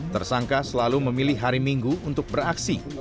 tersangka selalu memilih hari minggu untuk beraksi